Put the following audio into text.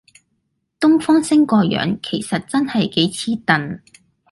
東方昇個樣其實真係幾似鄧